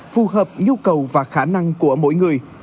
phù hợp nhu cầu và khả năng của mỗi người